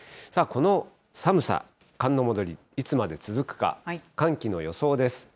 この寒さ、寒の戻り、いつまで続くか、寒気の予想です。